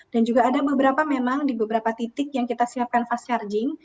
dan juga ada beberapa memang di beberapa titik yang kita siapkan fast charging